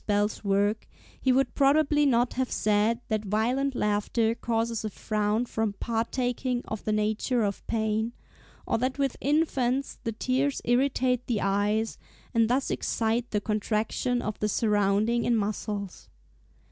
Bell's work, he would probably not have said (s. 101) that violent laughter causes a frown from partaking of the nature of pain; or that with infants (s. 103) the tears irritate the eyes, and thus excite the contraction of the surrounding in muscles.